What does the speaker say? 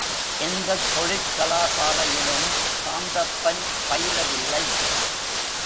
எந்தத் தொழிற்கலாசாலையிலும் சாந்தப்பன் பயிலவில்லை.